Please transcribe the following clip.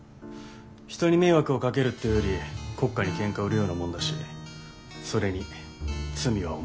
人に迷惑をかけるっていうより国家にケンカ売るようなもんだしそれに罪は重い。